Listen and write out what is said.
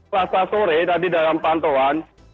selasa sore tadi dalam pantauan